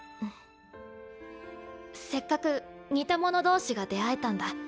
せっかく似た者同士が出会えたんだ。